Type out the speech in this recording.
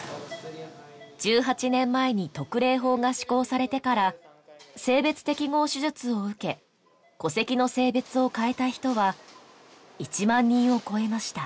１８年前に特例法が施行されてから性別適合手術を受け戸籍の性別を変えた人は１万人を超えました